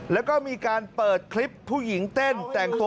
แล้วก็มีการเปิดคลิปผู้หญิงเต้นแต่งตัว